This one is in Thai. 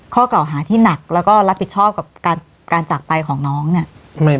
ข้อกล่าวหาที่หนักแล้วก็รับผิดชอบกับการจากไปของน้องเนี่ย